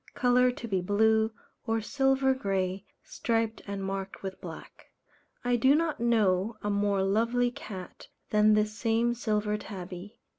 _ Colour to be blue, or silver grey, striped and marked with black. I do not know a more lovely cat than this same Silver Tabby.